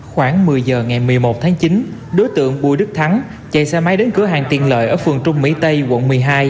khoảng một mươi giờ ngày một mươi một tháng chín đối tượng bùi đức thắng chạy xe máy đến cửa hàng tiện lợi ở phường trung mỹ tây quận một mươi hai